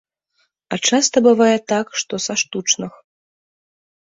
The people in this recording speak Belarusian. А часта бывае так, што са штучных.